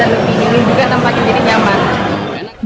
kalau di sini lebih cepat dan lebih nyuri juga tanpa jadi nyaman